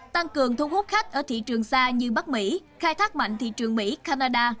tăng cường thu hút khách ở thị trường xa như bắc mỹ khai thác mạnh thị trường mỹ canada